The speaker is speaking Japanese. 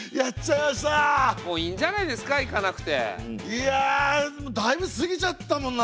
いやだいぶ過ぎちゃったもんな。